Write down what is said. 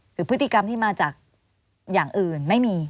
พฤติกรรมที่มาจากอย่างอื่นไม่มี